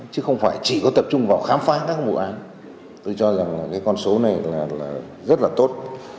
chứ không phải chỉ có tập trung vào khám phá các vụ án tôi cho rằng con số này rất là tốt